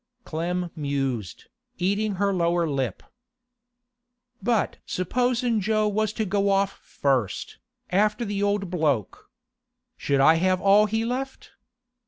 Clem mused, eating her lower lip. 'But supposin' Jo was to go off first, after the old bloke? Should I have all he left?